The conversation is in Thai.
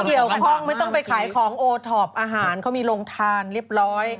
ไม่เกี่ยวของไม่ต้องไปขายของโอทอปอาหารเขามีโรงทานเรียบร้อย